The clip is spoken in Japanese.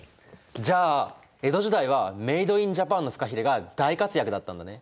じゃあ江戸時代はメード・イン・ジャパンのフカヒレが大活躍だったんだね。